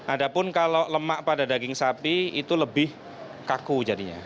ada pun kalau lemak pada daging sapi itu lebih kaku jadinya